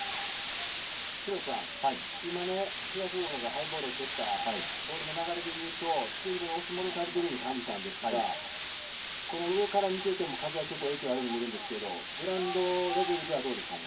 廣瀬さん、今、東福岡がハイボールを蹴ったボールの流れで言うと、非常に押し戻されているように感じたんですが、上から見ていても風の影響があるように見えるんですけど、グラウンドレベルではどうですかね。